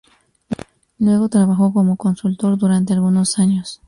Luego trabajó como consultor durante algunos años.